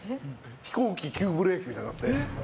飛行機急ブレーキみたいになって。